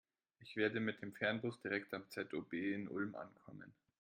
Ich werde mit dem Fernbus direkt am ZOB in Ulm ankommen.